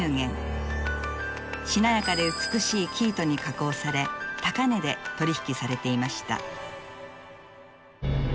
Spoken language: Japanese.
しなやかで美しい生糸に加工され高値で取り引きされていました。